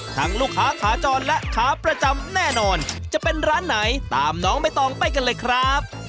ลูกค้าขาจรและขาประจำแน่นอนจะเป็นร้านไหนตามน้องใบตองไปกันเลยครับ